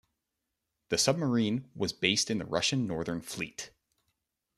The submarine was based in the Russian Northern Fleet.